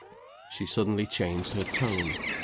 She suddenly changed her tone.